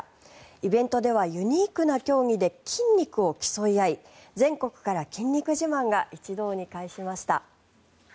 イベントではユニークな競技で筋肉を競い合い全国から筋肉自慢が一堂に会しました。